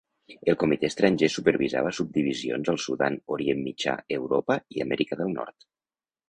El comitè estranger supervisava subdivisions al Sudan, Orient Mitjà, Europa i Amèrica del Nord.